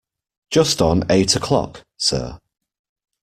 Just on eight o'clock, sir.